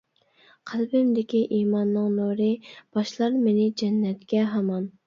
قەلبىمدىكى ئىماننىڭ نۇرى، باشلار مېنى جەننەتكە ھامان.